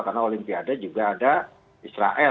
karena olimpiade juga ada israel